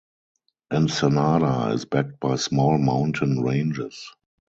Ensenada is backed by small mountain ranges.